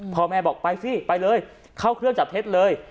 พ่อแม่บอกไปสิไปเลยเข้าเครื่องจับเท็จเลย